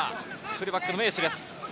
フルバックの名手です。